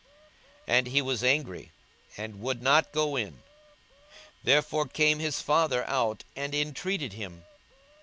42:015:028 And he was angry, and would not go in: therefore came his father out, and intreated him.